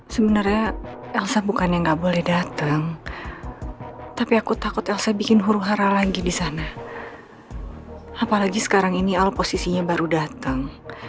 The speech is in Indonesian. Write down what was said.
sebenarnya elsa bukannya nggak boleh datang tapi aku takut elsa bikin huru hara lagi di sana apalagi sekarang ini al posisinya baru datang